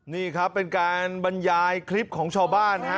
นี่ครับเป็นการบรรยายคลิปของชาวบ้านฮะ